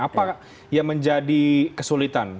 apa yang menjadi kesulitan